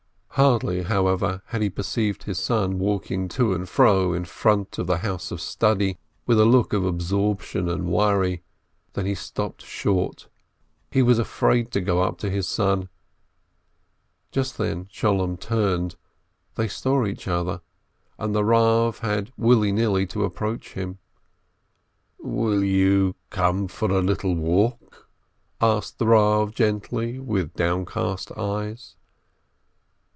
Hardly, however, had he perceived his son walking to and fro in front of the house of study, with a look of absorption and worry, than he stopped short. He was afraid to go up to his son. Just then Sholem turned, they saw each other, and the Eav had willy nilly to approach him. "Will you come for a little walk?" asked the Eav gently, with downcast eyes.